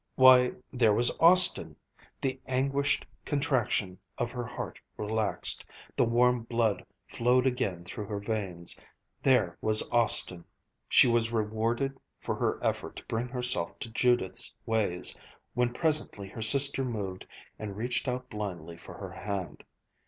Why, there was Austin! The anguished contraction of her heart relaxed. The warm blood flowed again through her veins. There was Austin! She was rewarded for her effort to bring herself to Judith's ways, when presently her sister moved and reached out blindly for her hand.